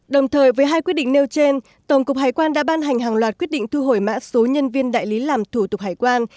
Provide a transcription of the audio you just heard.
đồng thời với hai quyết định nêu trên tổng cục hải quan đã ban hành hàng loạt quyết định thu hồi mã số nhân viên đại lý làm thủ tục hải quan